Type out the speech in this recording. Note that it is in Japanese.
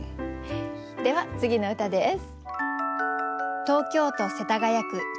では次の歌です。